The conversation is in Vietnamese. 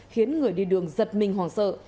khiến người đi đường giật mình hoàng sợ